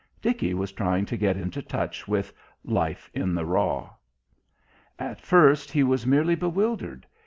Dickie was trying to get into touch with "life in the raw." At first he was merely bewildered.